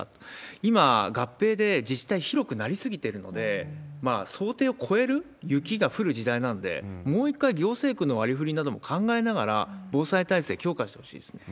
今、合併で自治体広くなり過ぎてるので、想定を超える雪が降る時代なんで、もう一回行政区の割り振りなども考えながら、防災体制、強化してほしいですね。